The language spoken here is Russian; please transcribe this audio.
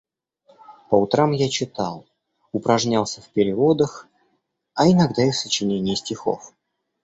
По утрам я читал, упражнялся в переводах, а иногда и в сочинении стихов.